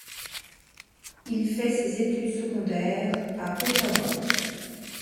Il fait ses étuides secondaires à Ottawa.